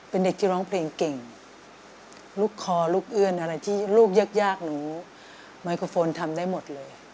เป็นเด็กที่ร้องเพลงเก่งลูกคอลูกเอื้อนอะไรที่ลูกยากยากหนูไมโครโฟนทำได้หมดเลย